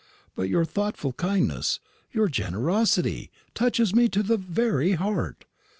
But your thoughtful kindness, your generosity, touches me to the very heart.